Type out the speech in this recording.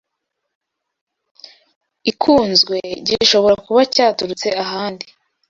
ikunzwe gishobora kuba cyaturutse ahandi